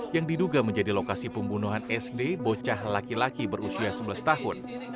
yang diduga menjadi lokasi pembunuhan sd bocah laki laki berusia sebelas tahun